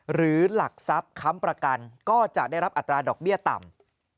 หรือหลักทรัพย์ค้ำประกันก็จะได้รับอัตราดอกเบี้ยต่ำ